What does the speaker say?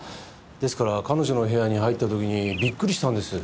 ですから彼女の部屋に入った時にびっくりしたんです。